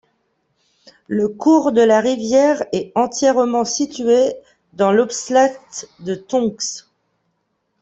Le cours de la rivière est entièrement situé dans l'oblast de Tomsk.